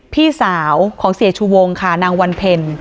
พี่สาวของเสียชูวงค่ะนางวันเพ็ญ